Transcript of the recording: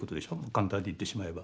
簡単に言ってしまえば。